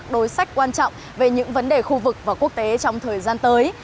đối sách quan trọng về những vấn đề khu vực và quốc tế trong thời gian tới